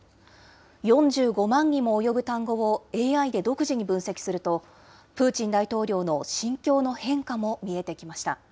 ４５万にも及ぶ単語をＡＩで独自に分析すると、プーチン大統領の心境の変化も見えてきました。